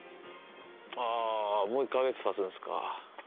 あぁもう１か月たつんですか。